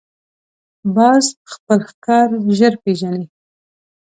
باز خپل ښکار ژر پېژني